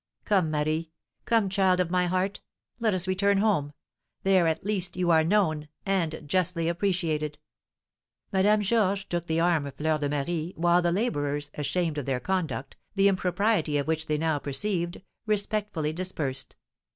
Come, Marie! come, child of my heart! let us return home; there, at least, you are known, and justly appreciated." Madame Georges took the arm of Fleur de Marie, while the labourers, ashamed of their conduct, the impropriety of which they now perceived, respectfully dispersed.